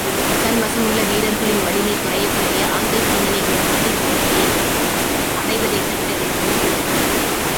தன்வசமுள்ள வீரர்களின் வலிமை குறையக் குறைய ஆந்தைக்கண்ணனின் முற்றுகை தோல்வியை அடைவதைத் தவிர வேறு வழி இல்லை.